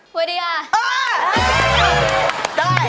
ไปดีค่ะ